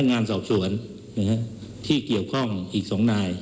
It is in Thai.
สวนการสอบสวนที่เกี่ยวข้องอีกสองหน่าย